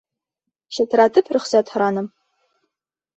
Шылтыратып рөхсәт һораным.